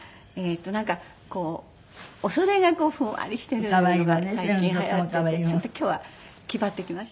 なんかこうお袖がふんわりしているのが最近流行っていてちょっと今日は気張ってきました。